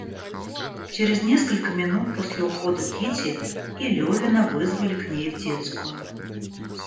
Через несколько минут после ухода Кити, и Левина вызвали к ней в детскую.